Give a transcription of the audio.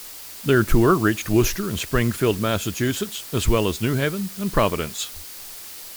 Their tour reached Worcester and Springfield, Massachusetts, as well as New Haven and Providence.